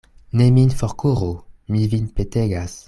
Ne min forkuru; mi vin petegas.